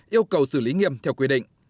yêu cầu xử lý nghiêm theo quy định